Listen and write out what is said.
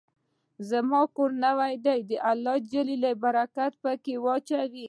زما کور نوې ده، الله ج د برکت په کي واچوی